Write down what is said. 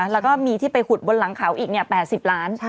แล้วก็มีที่ไปขุดบนหลังเขาอีก๘๐ล้าน